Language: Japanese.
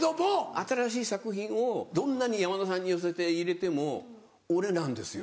新しい作品をどんなに山田さんに寄せて入れても俺なんですよ。